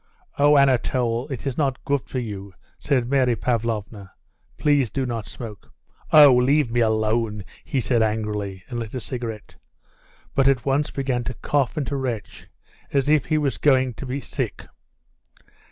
"Oh, Anatole, it is not good for you," said Mary Pavlovna. "Please do not smoke." "Oh, leave me alone," he said angrily, and lit a cigarette, but at once began to cough and to retch, as if he were going to be sick.